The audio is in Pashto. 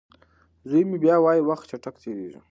زوی مې بیا وايي وخت چټک تېریږي.